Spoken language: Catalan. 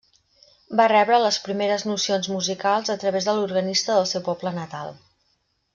Va rebre les primeres nocions musicals a través de l'organista del seu poble natal.